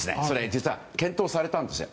実はそれも検討されたんですよ。